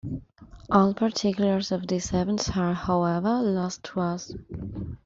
All particulars of these events are, however, lost to us.